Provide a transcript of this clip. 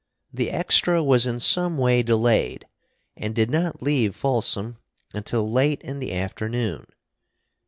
The extra was in some way delayed, and did not leave Folsom until late in the afternoon.